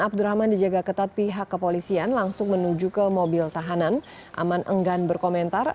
abdurrahman dijaga ketat pihak kepolisian langsung menuju ke mobil tahanan aman enggan berkomentar